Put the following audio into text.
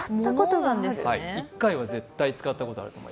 １回は絶対、使ったことがある。